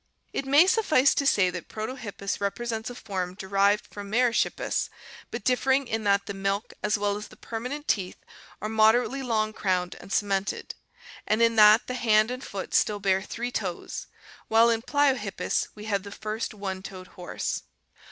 It may suffice to say that Proiohippus represents a form derived from Merychippus but differing in that the milk as well as the permanent teeth are moderately long crowned and cemented, and in that the hand and foot still bear three toes, while in Pliohippus we have the first one toed horse.